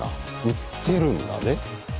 売ってるんだね。